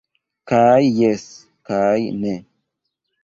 Kaj jes, kaj ne.